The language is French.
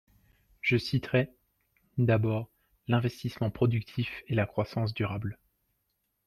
Je citerai, d’abord, l’investissement productif et la croissance durable.